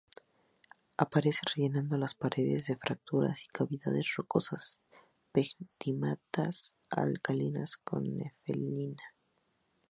Aparece rellenado las paredes de fracturas y cavidades de rocas pegmatitas alcalinas con nefelina.